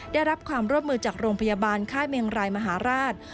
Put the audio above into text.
ได้รับความร่วมมือจากโรงพยาบาลค่ายเมงรายมหาราช